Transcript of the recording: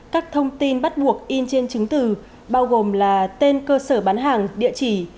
các thông tin bắt buộc in trên chứng từ bao gồm là tên cơ sở bán hàng địa chỉ